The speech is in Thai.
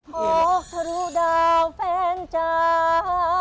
พ่อครูดาวแฟนเจ้า